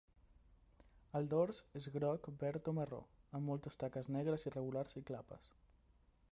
El dors és groc, verd o marró, amb moltes taques negres irregulars i clapes.